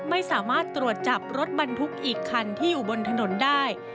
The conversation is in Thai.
ไม่สามารถตรวจจับรถบรรทุกอีกคันที่อยู่บนถนนได้